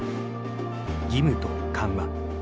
義務と緩和。